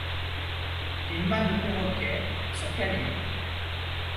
Les mâts de perroquet sont calés.